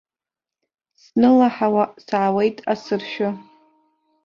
Снылаҳауа саауеит асыршәы.